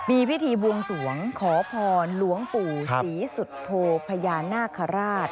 มีพิธีบวงสวงขอพรหลวงปู่ศรีสุโธพญานาคาราช